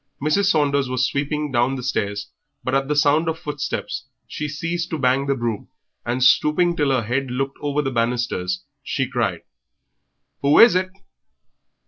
Mrs. Saunders was sweeping down the stairs, but at the sound of footsteps she ceased to bang the broom, and, stooping till her head looked over the banisters, she cried "Who is it?"